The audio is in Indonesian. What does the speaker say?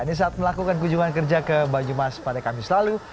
ini saat melakukan kunjungan kerja ke banyumas pada kamis lalu